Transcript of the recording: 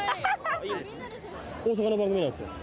・大阪の番組なんですよ。